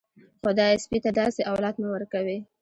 خدايه سپي ته داسې اولاد مه ورکوې.